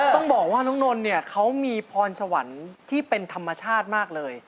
ต้องบอกว่าน้องนนท์เนี่ยเขามีพรสวรรค์ที่เป็นธรรมชาติมากเลย